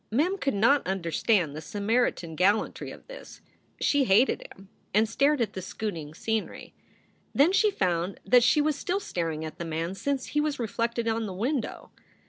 Mem could not understand the Samaritan gallantry of this. She hated him and stared at the scooting scenery. Then she found that she was still staring at the man since he was reflected on the window.